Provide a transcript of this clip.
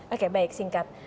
oke baik singkat